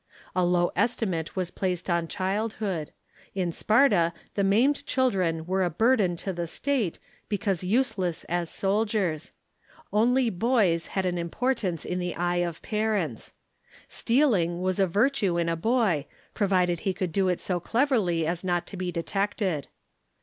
A low estimate was placed on child hood. In Sparta the maimed children were a burden to the THE GREEK AND ROMAN CONDITIONS 13 state, because useless as soldiers. Only boj s had an impor tance in the eye of parents. Stealing was a virtue in a boy, provided he could do it so cleverly as not to be detected.